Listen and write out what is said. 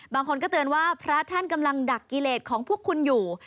บางคนก็เตือนว่าพระท่านกำลังดักกิเลสของพวกคุณอยู่